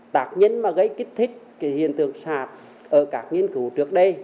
tạc nhân mà gây kích thích cái hiện tượng sạt ở các nghiên cứu trước đây